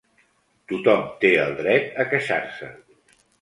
Tothom té el dret a queixar-se.